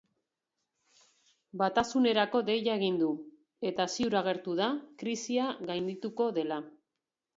Batasunerako deia egin du eta ziur agertu da krisia gaindituko dela.